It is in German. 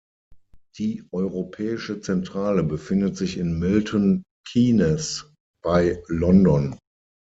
Die europäische Zentrale befindet sich in Milton Keynes bei London.